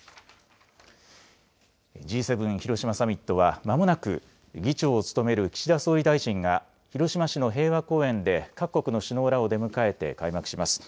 Ｇ７広島サミットはまもなく議長を務める岸田総理大臣が広島市の平和公園で各国の首脳らを出迎えて開幕します。